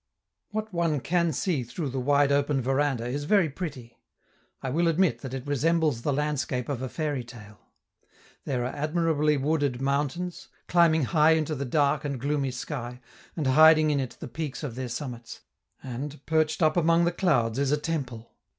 What one can see through the wide open veranda is very pretty; I will admit that it resembles the landscape of a fairytale. There are admirably wooded mountains, climbing high into the dark and gloomy sky, and hiding in it the peaks of their summits, and, perched up among the clouds, is a temple.